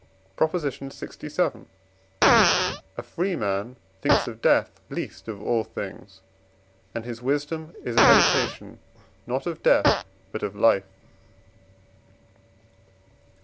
PROP. LXVII. A free man thinks of death least of all things; and his wisdom is a meditation not of death but of life.